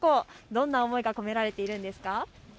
どんな思いが込められているんですか。